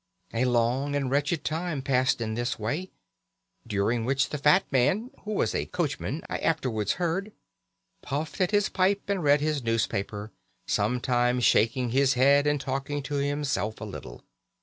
A long and wretched time passed in this way, during which the fat man, who was a coachman I afterwards heard, puffed at his pipe and read his newspaper, sometimes shaking his head and talking to himself a little.